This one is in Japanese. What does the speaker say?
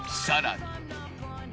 更に。